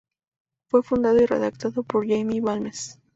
Fue fundado y redactado por Jaime Balmes.